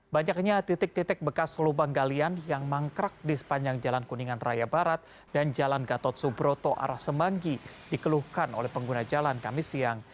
banyaknya titik titik bekas lubang galian yang mangkrak di sepanjang jalan kuningan raya barat dan jalan gatot subroto arah semanggi dikeluhkan oleh pengguna jalan kami siang